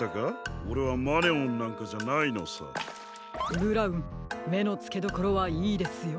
ブラウンめのつけどころはいいですよ。